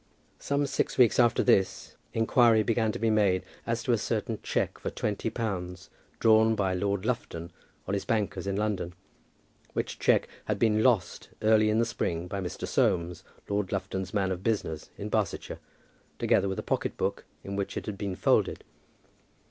Some six weeks after this, inquiry began to be made as to a certain cheque for twenty pounds drawn by Lord Lufton on his bankers in London, which cheque had been lost early in the spring by Mr. Soames, Lord Lufton's man of business in Barsetshire, together with a pocket book in which it had been folded.